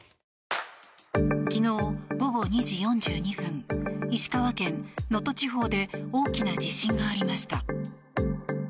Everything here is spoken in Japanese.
昨日、午後２時４２分石川県能登地方で大きな地震がありました。